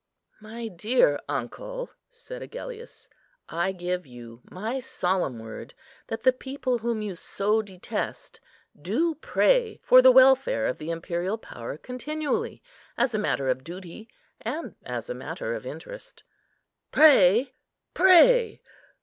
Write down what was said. "My dear uncle," said Agellius, "I give you my solemn word, that the people whom you so detest do pray for the welfare of the imperial power continually, as a matter of duty and as a matter of interest." "Pray! pray!